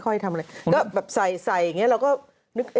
ก็แบบใส่อย่างนี้เราก็นึก